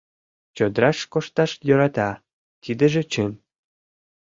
Чодраш кошташ йӧрата, тидыже чын.